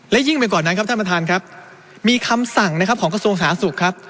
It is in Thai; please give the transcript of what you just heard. และยิ่งไปกว่านั้นครับท่านประธานครับมีคำสั่งนะครับของกระทรวงสาธารณสุขครับ